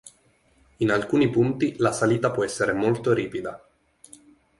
In alcuni punti la salita può essere molto ripida.